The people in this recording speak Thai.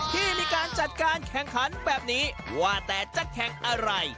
ที่มีการจัดการแข่งขันแบบนี้ว่าแต่จะแข่งอะไร